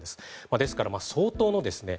ですから相当のですね